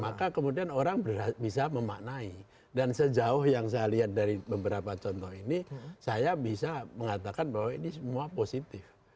maka kemudian orang bisa memaknai dan sejauh yang saya lihat dari beberapa contoh ini saya bisa mengatakan bahwa ini semua positif